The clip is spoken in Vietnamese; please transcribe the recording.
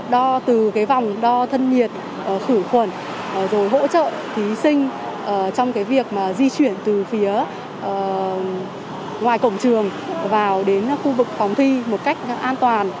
đo từ cái vòng đo thân nhiệt khử khuẩn rồi hỗ trợ thí sinh trong việc di chuyển từ phía ngoài cổng trường vào đến khu vực phòng thi một cách an toàn